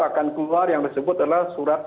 akan keluar yang disebut adalah surat